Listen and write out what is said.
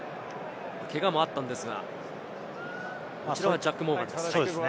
けがもあったんですが、ジャック・モーガンです。